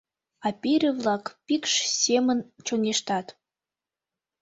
А пире-влак пикш семын чоҥештат.